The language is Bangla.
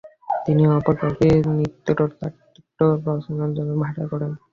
তিনি অপর কাউকে চিত্রনাট্য রচনার জন্য ভাড়া করেন।